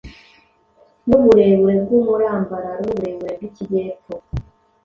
n’uburebure bw’umurambararo, n’uburebure bw’ikijyepfo,